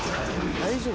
大丈夫？